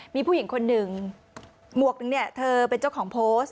มีผู้หญิงคนหนึ่งหมวกหนึ่งเนี่ยเธอเป็นเจ้าของโพสต์